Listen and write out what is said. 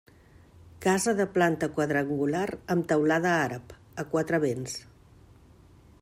Casa de planta quadrangular amb teulada àrab, a quatre vents.